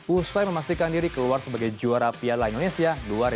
usai memastikan diri keluar sebagai juara piala indonesia dua ribu dua puluh